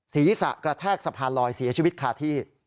ศีรษะกระแทกสะพานลอยเสียชีวิตคาที่